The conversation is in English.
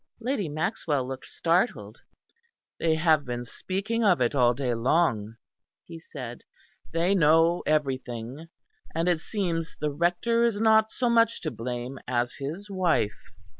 Lady Maxwell looked startled. "They have been speaking of it all day long," he said, "they know everything; and it seems the Rector is not so much to blame as his wife.